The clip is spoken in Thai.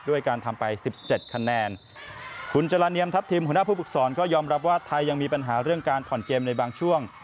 ด้วยการทำไปสิบเจ็ดคะแนนคุณจราเนียมทัพทิมหัวหน้าผู้ฝึกสอนก็ยอมรับว่าไทยยังมีปัญหาเรื่องการผ่อนเกมในบางช่วง